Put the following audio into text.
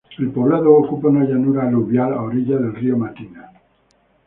El poblado ocupa una llanura aluvial a orillas del río Matina.